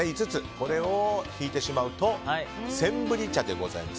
これを引いてしまうとセンブリ茶でございます。